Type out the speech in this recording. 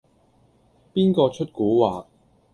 邊個出蠱惑